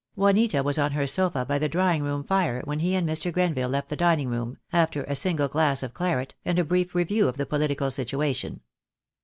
Juanita was on her sofa by the drawing room fire when he and Mr. Grenville left the dining room, after a single glass of claret, and a brief review of the political situation.